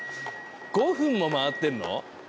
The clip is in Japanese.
５分も回ってんの？